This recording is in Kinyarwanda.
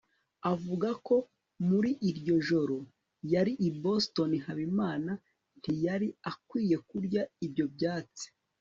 avuga ko muri iryo joro yari i boston. habimana ntiyari akwiye kurya ibyo byatsi